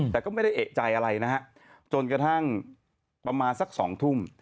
แต่ก็ไม่ได้เอกใจอะไรนะฮะจนกระทั่งประมาณสัก๒ทุ่ม